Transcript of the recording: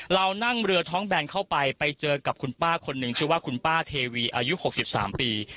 เรานั่งเรือท้องแบนเข้าไปไปเจอกับคุณป้าคนหนึ่งชื่อว่าคุณป้าเทวีอายุ๖๓ปี